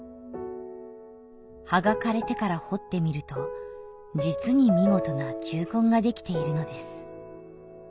「葉が枯れてから掘ってみると実に見事な球根が出来ているのです」